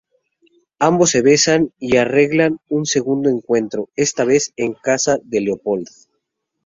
Ambos se besan y arreglan un segundo encuentro, esta vez en casa de Leopold.